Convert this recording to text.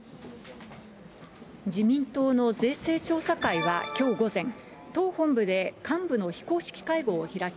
自民党の税制調査会はきょう午前、党本部で幹部の非公式会合を開き、